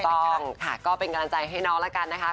ต้องค่ะก็เป็นกำลังใจให้น้องแล้วกันนะคะ